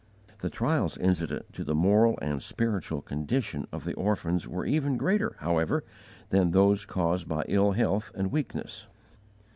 The trials incident to the moral and spiritual condition of the orphans were even greater, however, than those caused by ill health and weakness.